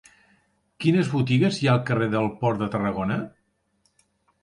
Quines botigues hi ha al carrer del Port de Tarragona?